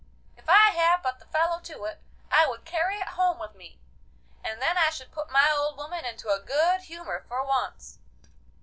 'If I had but the fellow to it, I would carry it home with me, and then I should put my old woman into a good humour for once.